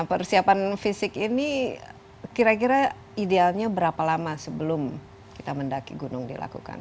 persiapan fisik ini kira kira idealnya berapa lama sebelum kita mendaki gunung dilakukan